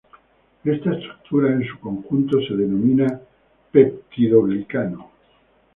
Esta estructura en su conjunto es denominada peptidoglicano.